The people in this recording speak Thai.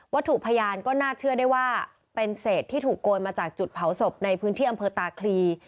ถูกพยานก็น่าเชื่อได้ว่าเป็นเศษที่ถูกโกยมาจากจุดเผาศพในพื้นที่อำเภอตาคลี